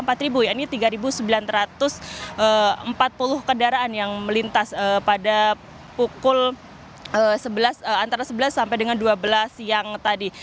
ini tiga sembilan ratus empat puluh kendaraan yang melintas pada pukul sebelas antara sebelas sampai dengan dua belas siang tadi